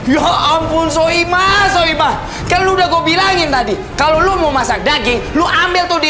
ya ampun so imah so imah kan udah gua bilangin tadi kalau lu mau masak daging lu ambil tuh di